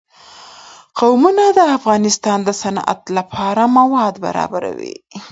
قومونه د افغانستان د صنعت لپاره مواد برابروي.